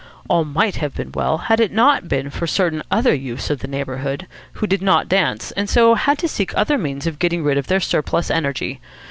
All might have been well, had it not been for certain other youths of the neighbourhood who did not dance and so had to seek other means of getting rid of their surplus energy.